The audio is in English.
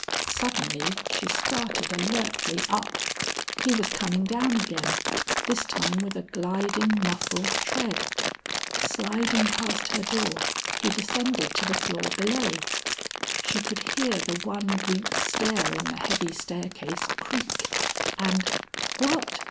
Suddenly she started alertly up; he was coming down again, this time with a gliding muffled tread. Sliding past her door, he descended to the floor below. She could hear the one weak stair in the heavy staircase creak, and What!